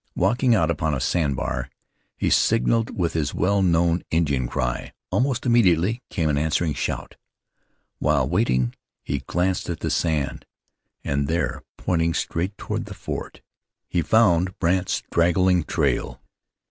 Walking out upon a sand bar he signaled with his well known Indian cry. Almost immediately came an answering shout. While waiting he glanced at the sand, and there, pointing straight toward the fort, he found Brandt's straggling trail!